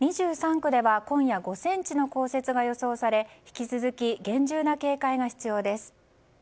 ２３区では今夜５ｃｍの降雪が予想され引き続き厳重な警戒が必要です。